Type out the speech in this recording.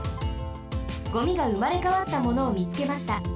ゴミがうまれかわったものをみつけました。